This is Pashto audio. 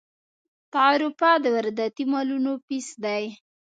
تعرفه د وارداتي مالونو فیس دی.